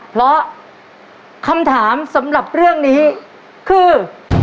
เพราะคำถามสำหรับเรื่องนี้คือ